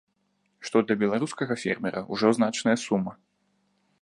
Што для беларускага фермера ўжо значная сума.